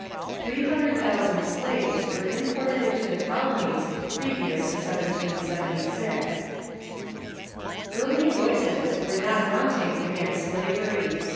Three hundred thousand slaves were imported into the colonies previous to 1776. Early voices were not wanting against slavery.